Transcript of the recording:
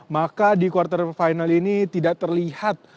maka di quarter final ini tidak terlihat